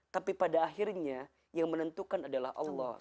tapi pada akhirnya yang menentukan adalah allah